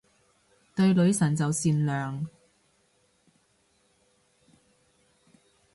對女神就善良